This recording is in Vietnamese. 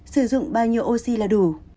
sử dụng bao nhiêu oxy là đủ